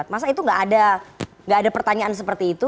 masa itu nggak ada pertanyaan seperti itu